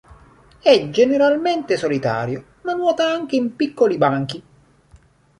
È generalmente solitario, ma nuota anche in piccoli banchi.